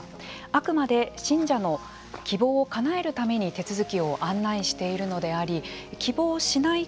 あくまで信者の希望をかなえるために手続きを案内しているのであり希望しない